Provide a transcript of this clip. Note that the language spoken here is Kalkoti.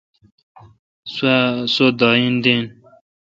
سو داین دین۔